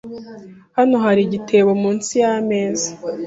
Hano hari igitebo munsi yameza.